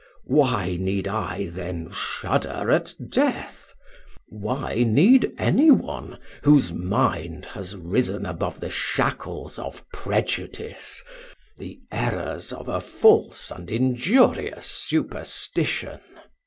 Why need I then shudder at death? why need any one, whose mind has risen above the shackles of prejudice, the errors of a false and injurious superstition."